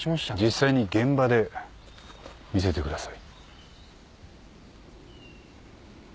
実際に現場で見せてください。